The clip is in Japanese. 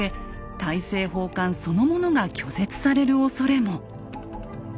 大政奉還そのものが拒絶されるおそれも。